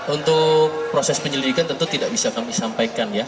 untuk proses penyelidikan tentu tidak bisa kami sampaikan ya